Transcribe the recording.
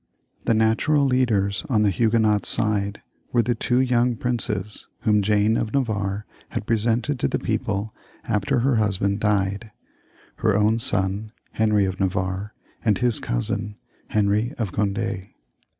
The natural leaders on the Huguenots' side were the two young princes whom Jane of Navarre had presented to the people after her husband died — ^her own son, Henry of Navarre, and his cousin, Henry of Cond^.